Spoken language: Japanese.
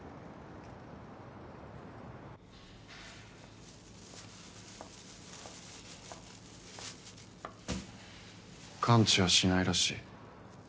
・コツコツ完治はしないらしい。